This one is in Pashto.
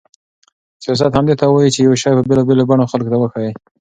سیاست همدې ته وایي چې یو شی په بېلابېلو بڼو خلکو ته وښيي.